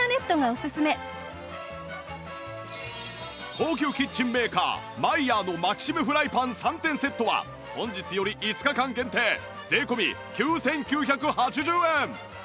高級キッチンメーカーマイヤーのマキシムフライパン３点セットは本日より５日間限定税込９９８０円！